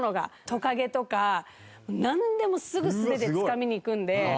トカゲとかなんでもすぐ素手でつかみにいくんで。